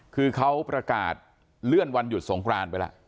คือเขาประกาศเลื่อนวันหยุดสงครานไปแล้ว